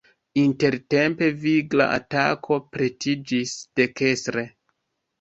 Intertempe vigla atako pretiĝis dekstre.